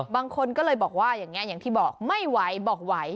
บางคนก็เลยบอกว่าอย่างที่บอกไม่ไหวบอกไหว